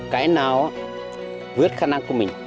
cái nào vướt khả năng của mình